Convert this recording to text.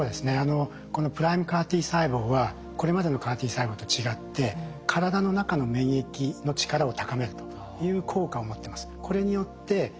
このＰＲＩＭＥＣＡＲ−Ｔ細胞はこれまでのＣＡＲ−Ｔ細胞と違って体の中の免疫の力を高めるという効果を持ってます。